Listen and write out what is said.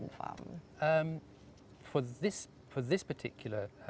dalam membuat permainan udara